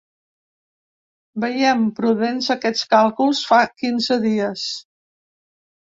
Veiem prudents aquests càlculs fa quinze dies.